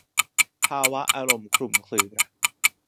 ภาวะอารมณ์คลุมเครือ